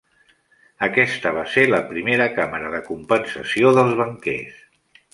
Aquesta va ser la primera càmera de compensació dels banquers.